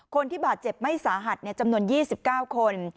คนที่บาดเจ็บไม่สาหัสจำนวน๒๙คน